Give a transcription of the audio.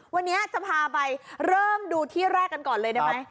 วันนี้จะพาไปเริ่มดูที่แรกกันก่อนเลยได้ไหม